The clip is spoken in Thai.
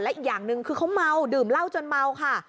อีกอย่างหนึ่งคือเขาเมาดื่มเหล้าจนเมาค่ะ